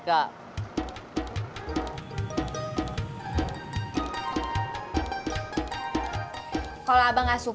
kalau abang gak suka